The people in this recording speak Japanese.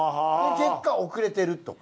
結果遅れてるとか。